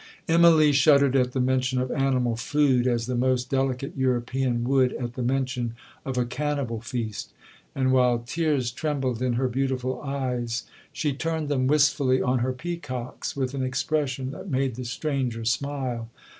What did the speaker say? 'Immalee shuddered at the mention of animal food, as the most delicate European would at the mention of a cannibal feast; and while tears trembled in her beautiful eyes, she turned them wistfully on her peacocks with an expression that made the stranger smile.